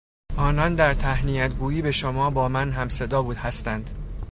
آنان در تهنیتگویی به شما با من همصدا هستند.